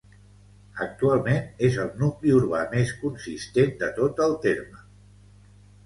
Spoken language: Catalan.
Actualment és el nucli urbà més consistent de tot el terme.